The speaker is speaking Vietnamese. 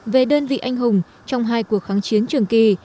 về đơn vị anh hùng trong hai cuộc kháng chiến trường kỳ